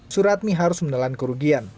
suratmi harus menelan kerugian